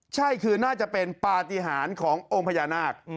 ใช่คือน่าจะเป็นปฏิหารขององค์พญานาค